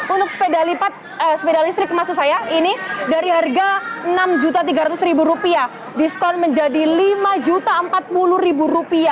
untuk sepeda listrik maksud saya ini dari harga rp enam tiga ratus diskon menjadi rp lima empat puluh